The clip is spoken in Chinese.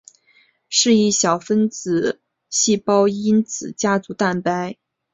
是一小分子细胞因子家族蛋白。